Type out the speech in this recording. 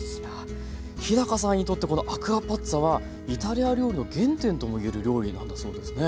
日さんにとってこのアクアパッツァはイタリア料理の原点とも言える料理なんだそうですね？